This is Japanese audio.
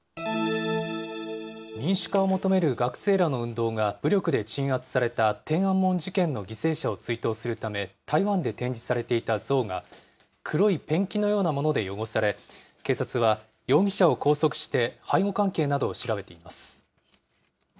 民主化を求める学生らの運動が武力で鎮圧された天安門事件の犠牲者を追悼するため、台湾で展示されていた像が、黒いペンキのようなもので汚され、警察は、容疑者を拘束して背後関係などを調べています。